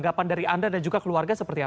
ada yang mengganti